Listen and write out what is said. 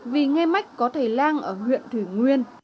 vì nghe mách có thầy lang ở huyện thủy nguyên